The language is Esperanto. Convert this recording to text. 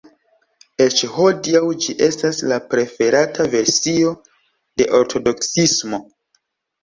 Eĉ hodiaŭ, ĝi estas la preferata versio de ortodoksismo.